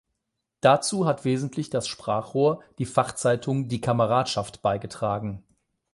Dazu hat wesentlich das Sprachrohr, die Fachzeitung "Die Kameradschaft", beigetragen.